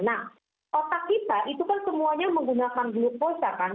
nah otak kita itu kan semuanya menggunakan glukosa kan